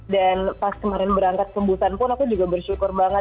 dan pas kemarin berangkat kembusan pun aku juga bersyukur banget